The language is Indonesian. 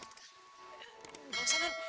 nggak usah nun